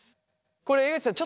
これ江口さん